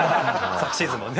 昨シーズンもね